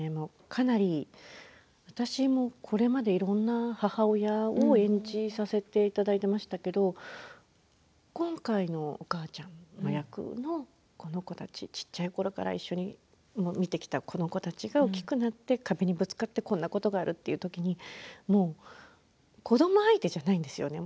かなり私もこれまでいろいろな母親を演じさせていただいてきましたけれど今回のお母ちゃんの役のこの子たち小っちゃいころから一緒に見てきたこの子たちが大きくなって壁にぶつかってこんなことがあるというときにもう子ども相手じゃないんですよね。